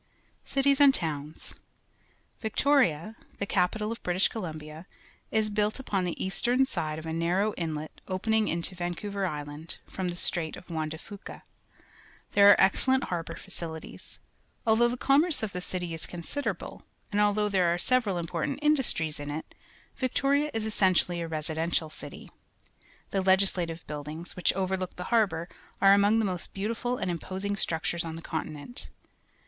Cities and Towns. — Victoria, the capital 120 PUBLIC SCHOOL GEOGRAPHY of British Columbia, is built upon the eastern side of a narrow inlet opening into \'ancouyer Island from the Strait of Juan de Fuca. There are excellent harbour facilities. Although the commerce of the city is con siderable, and although there are several The Inner Harbour, Victoria, British Columbia important industries in it, Mctoria is essen tially a residential city. The Legislative Buildings, which overlook the harbour, are among the most beautiful and imposing structures on the continent.